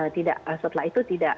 tidak setelah itu tidak